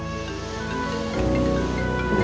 masalah macam semuanya